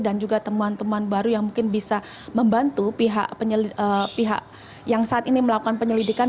dan juga temuan temuan baru yang mungkin bisa membantu pihak yang saat ini melakukan penyelidikan